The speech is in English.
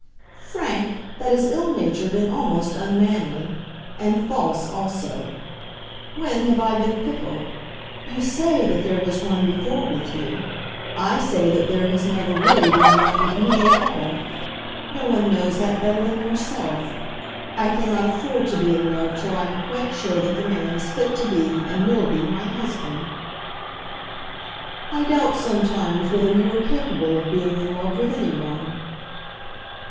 "Frank, that is ill natured, and almost unmanly, and false also. When have I been fickle? You say that there was one before with you. I say that there has never really been one with me at all. No one knows that better than yourself. I cannot afford to be in love till I am quite sure that the man is fit to be, and will be, my husband." "I doubt sometimes whether you are capable of being in love with any one."